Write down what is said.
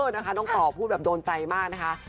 น้องตอบโดนใจนะคะ